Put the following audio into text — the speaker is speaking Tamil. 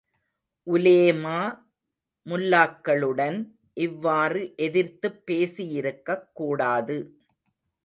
உலேமா முல்லாக்களுடன் இவ்வாறு எதிர்த்துப் பேசியிருக்கக் கூடாது.